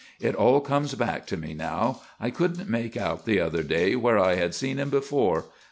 It all comes back to me now; I couldn't make out the other day where I had seen him before.